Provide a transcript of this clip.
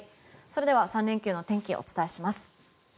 それでは３連休の天気をお伝えします。